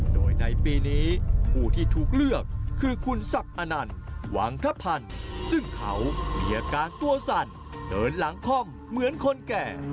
โดยในปีนี้ผู้ที่ถูกเลือกคือคุณศักดิ์อนันต์วังทพันธ์ซึ่งเขามีอาการตัวสั่นเดินหลังคล่อมเหมือนคนแก่